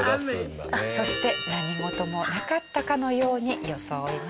そして何事もなかったかのように装います。